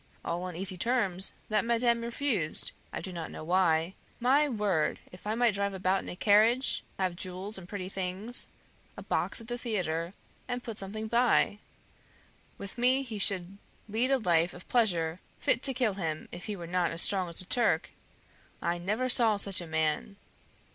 All on easy terms that madame refused, I do not know why. My word! if I might drive about in a carriage, have jewels and pretty things, a box at the theater, and put something by! with me he should lead a life of pleasure fit to kill him if he were not as strong as a Turk! I never saw such a man!'